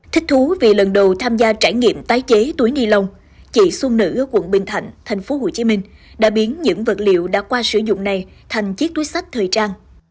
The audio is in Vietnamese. thích thú vì lần đầu tham gia trải nghiệm tái chế túi ni lông chị xuân nữ ở quận bình thạnh tp hcm đã biến những vật liệu đã qua sử dụng này thành chiếc túi sách thời trang